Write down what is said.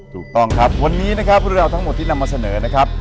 ถูกต้องครับวันนี้นะครับเรื่องราวทั้งหมดที่นำมาเสนอนะครับ